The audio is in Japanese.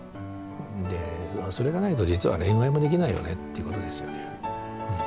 でそれがないと実は恋愛もできないよねっていうことですよね。